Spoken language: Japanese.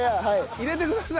入れてください。